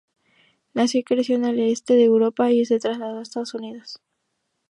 Nació y creció en el este de Europa y se trasladó a Estados Unidos.